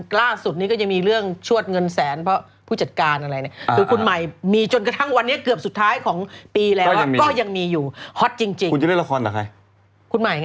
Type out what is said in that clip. คุณหมายไงใช้มันจริงแท้ใช้มันจริงแท้ของ